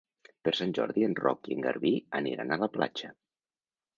Per Sant Jordi en Roc i en Garbí aniran a la platja.